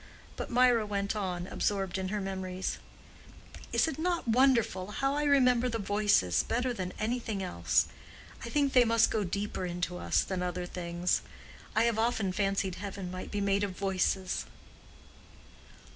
But Mirah went on, absorbed in her memories, "Is it not wonderful how I remember the voices better than anything else? I think they must go deeper into us than other things. I have often fancied heaven might be made of voices."